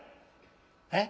「えっ？